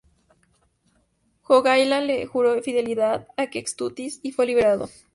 Jogaila le juró fidelidad a Kęstutis y fue liberado.